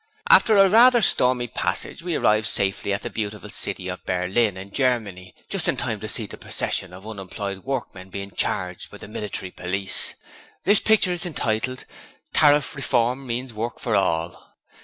'After a rather stormy passage we arrives safely at the beautiful city of Berlin, in Germany, just in time to see a procession of unemployed workmen being charged by the military police. This picture is hintitled "Tariff Reform means Work for All".'